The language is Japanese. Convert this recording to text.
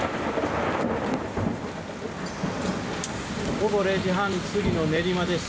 午後０時半過ぎの練馬です。